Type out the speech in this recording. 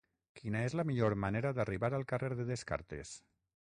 Quina és la millor manera d'arribar al carrer de Descartes?